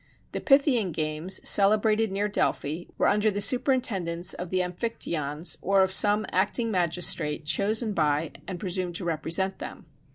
The Pythian games, celebrated near Delphi, were under the superintendence of the Amphictyons, or of some acting magistrate chosen by and presumed to represent them.